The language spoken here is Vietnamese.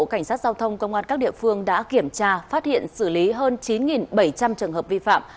cảnh sát giao thông công an các địa phương đã kiểm tra phát hiện xử lý hơn chín bảy trăm linh trường hợp vi phạm